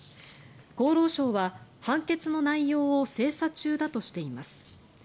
厚労省は判決の内容を精査中だとしています。